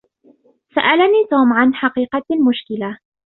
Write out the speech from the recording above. سألني توم عن حقيقة المشكلة.